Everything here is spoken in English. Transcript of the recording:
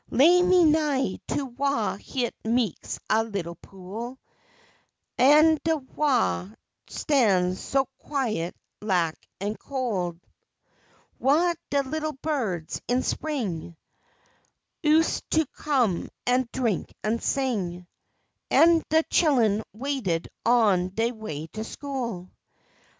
Lay me nigh to whah hit meks a little pool, An' de watah stan's so quiet lak an' cool, Whah de little birds in spring, Ust to come an' drink an' sing, An' de chillen waded on dey way to school.